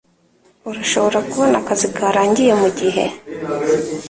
Urashobora kubona akazi karangiye mugihe?